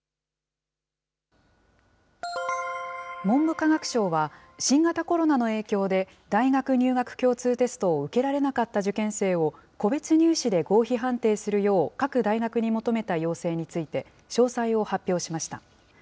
文部科学省は、新型コロナの影響で大学入学共通テストを受けられなかった受験生を、個別入試で合否判定するよう、各大学に求めた要請について、詳細を発表しました。